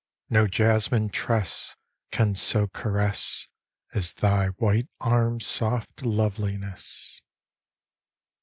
No jasmine tress Can so caress As thy white arms' soft loveliness.